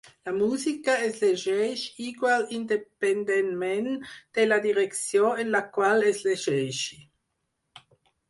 La música es llegeix igual independentment de la direcció en la qual es llegeixi.